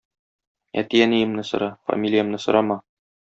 әти-әниемне сора, фамилиямне сорама.